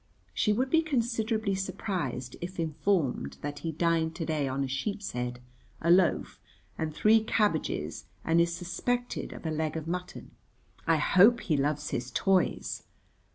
(She would be considerably surprised if informed that he dined to day on a sheepshead, a loaf, and three cabbages, and is suspected of a leg of mutton.) "I hope he loves his toys?"